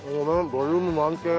ボリューム満点！